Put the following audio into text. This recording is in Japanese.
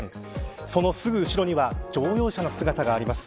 そのすぐ後ろには乗用車の姿があります。